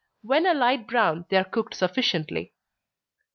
When a light brown, they are cooked sufficiently.